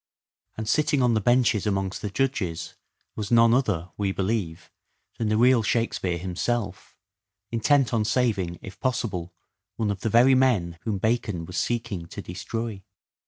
And sitting on the benches amongst the judges was none other, we believe, than the real " Shakespeare " himself, intent on saving, if possible, one of the very men whom Bacon was seeking to destroy.